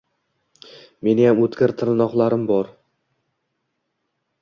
Meniyam o‘tkir timoqlarim bor. —